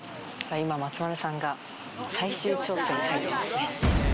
今松丸さんが最終調整に入っていますね。